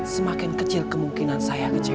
semakin kecil kemungkinan saya kecil